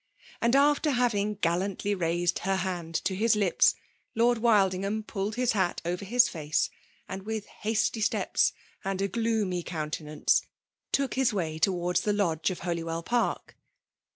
And, after having gallantly raised her hand to his lips. Lord Wildingham pulled his hat over his face, and with hasty FEMALE DOMINATION. steps and a gloomy countenance, took his way towards the lodge of Holywell Park.